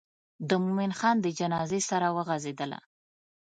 د مومن خان د جنازې سره وغزېدله.